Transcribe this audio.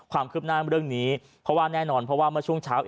ว่าเมื่อช่วงนานเองสารจัดเข้ามาแล้ว